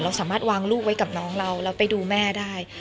สามารถวางลูกไว้กับน้องเราแล้วไปดูแม่ได้